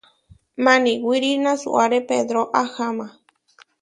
Maniwíri nasuare Pedró aháma.